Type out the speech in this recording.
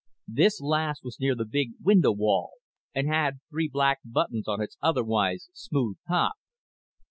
This last was near the big window wall and had three black buttons on its otherwise smooth top.